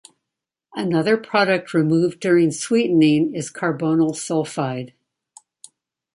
Another product removed during sweetening is carbonyl sulfide.